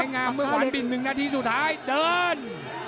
ไม้งามเมื่อขวานบิ่น๑นาทีสุดท้ายเดิน